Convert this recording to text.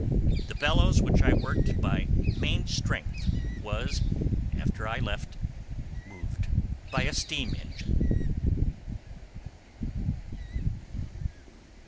The bellows which I worked by main strength was, after I left, moved by a steam engine.